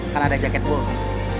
kan ada jaket bobby